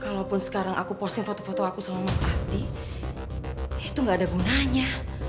kalaupun sekarang aku posting foto foto aku sama mas adi itu gak ada gunanya